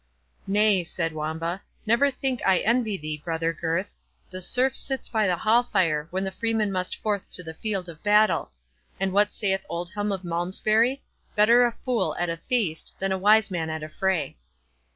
"Nay," said Wamba, "never think I envy thee, brother Gurth; the serf sits by the hall fire when the freeman must forth to the field of battle—And what saith Oldhelm of Malmsbury—Better a fool at a feast than a wise man at a fray."